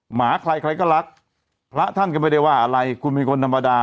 หมาใครก็รักพระท่านเมดิวาอะไรคุณเป็นคนธรรมดา